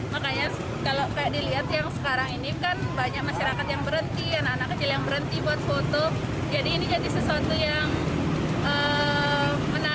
makanya kalau kayak dilihat yang sekarang ini kan banyak masyarakat yang berhenti yaan anak anaknya yang berhenti jadi kita jadi excited ya tapi makanya kalau kayak dilihat yang sekarang ini kan banyak masyarakat yang berhenti anak anak kita juga sudah dihentikan